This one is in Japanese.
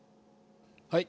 はい。